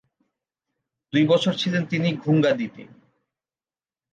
দুই বছর ছিলেন তিনি ঘুংগাদিতে।